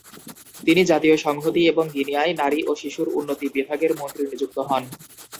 তিনি জাতীয় সংহতি এবং গিনিয়ায় নারী ও শিশুর উন্নতি বিভাগের মন্ত্রী নিযুক্ত হন।